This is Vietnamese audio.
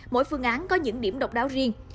mỗi phương án có những điểm độc đáo riêng